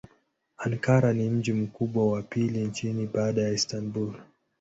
Ankara ni mji mkubwa wa pili nchini baada ya Istanbul.